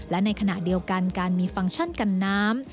และในขณะเดียวกันการมีฟังก์ชั่นกันน้ำ